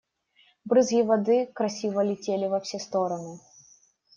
Брызги воды красиво летели во все стороны.